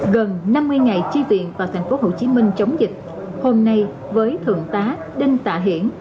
gần năm mươi ngày chi viện vào tp hcm chống dịch hôm nay với thượng tá đinh tạ hiển